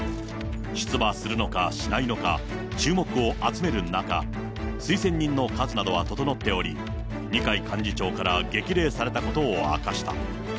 出馬するのかしないのか注目を集める中、推薦人の数などは整っており、二階幹事長から激励されたことを明かした。